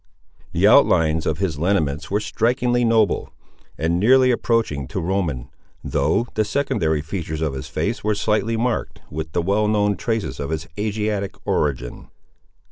The outlines of his lineaments were strikingly noble, and nearly approaching to Roman, though the secondary features of his face were slightly marked with the well known traces of his Asiatic origin.